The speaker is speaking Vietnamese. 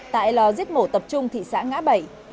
tại lò giết mổ tập trung thị xã ngã bảy